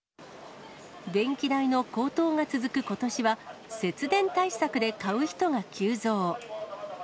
電気代の高騰が続くことしは、節電対策で買う人が急増。